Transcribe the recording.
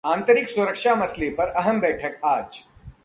आंतरिक सुरक्षा मसले पर अहम बैठक आज